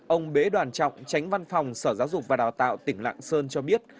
ông bế đoàn trọng tránh văn phòng sở giáo dục và đào tạo tỉnh lạng sơn cho biết